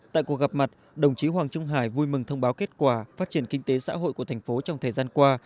tại cuộc gặp mặt đồng chí hoàng trung hải vui mừng thông báo kết quả phát triển kinh tế xã hội của thành phố trong thời gian qua